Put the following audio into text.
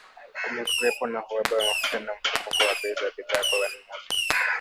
kumekuwepo na uhaba wa mafuta na mfumuko wa bei za bidhaa kwa wanunuzi